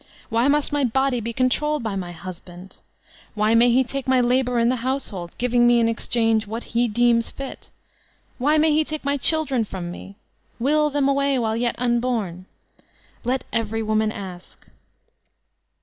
Why must my body be controlled by my hns Sex Slavery 349 band? Why may he take my labor in the household, giving me in exchange what he deems fit? Why may he take my children from me? Will them away while yet unborn ?'' Let every woman ask.